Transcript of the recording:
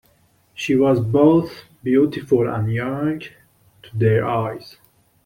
She was both beautiful and young to their eyes.